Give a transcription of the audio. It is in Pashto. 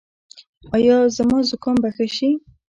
ایا زما زکام به ښه شي؟